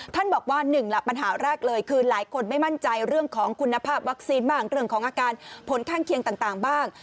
บอกว่าหนึ่งล่ะปัญหาแรกเลยคือหลายคนไม่มั่นใจเรื่องของคุณภาพวัคซีนบ้างเรื่องของอาการผลข้างเคียงต่างบ้าง